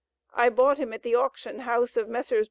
I bought him at the Auction house of Messrs.